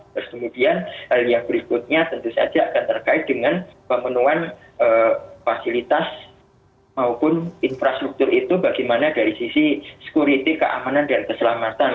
terus kemudian hal yang berikutnya tentu saja akan terkait dengan pemenuhan fasilitas maupun infrastruktur itu bagaimana dari sisi security keamanan dan keselamatan